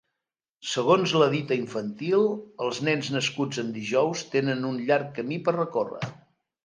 Segons la dita infantil, els nens nascuts en dijous tenen un llarg camí per recórrer